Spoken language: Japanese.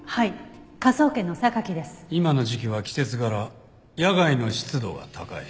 今の時期は季節柄野外の湿度が高い。